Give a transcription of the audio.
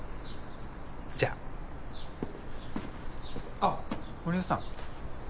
じゃああっ森生さん